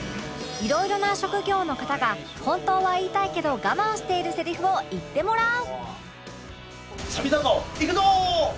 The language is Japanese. いろいろな職業の方が本当は言いたいけど我慢しているセリフを言ってもらう